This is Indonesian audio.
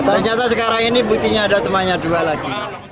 ternyata sekarang ini buktinya ada temannya dua lagi